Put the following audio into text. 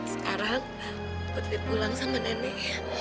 sekarang putri pulang sama neneknya